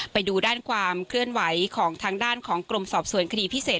ไปดูด้านความเคลื่อนไหวของทางด้านของกรมสอบสวนคดีพิเศษ